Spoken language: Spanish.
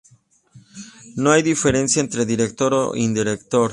No hay diferencia entre directos e indirectos.